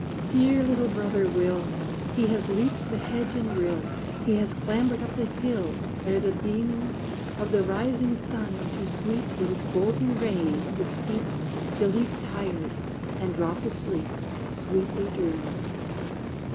Dear little brother Will! He has leaped the hedge and rill, He has clambered up the hill, Ere the beaming Of the rising sun, to sweep With its golden rays the steep, Till he's tired, and dropped asleep, Sweetly dreaming.